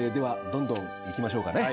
どんどんいきましょうか。